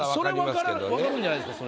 それ分かるんじゃないですか？